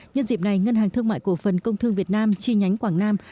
nhân dịp này ngân hàng thương mại cổ phần công thương việt nam chi nhánh quảng nam